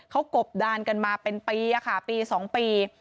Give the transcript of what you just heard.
เขากบดานกันมาเป็นปีค่ะปี๒ปี